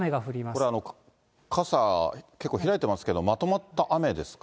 これ、傘、結構開いていますけど、まとまった雨ですか？